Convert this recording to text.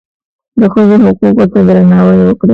د ښځو حقوقو ته درناوی وکړئ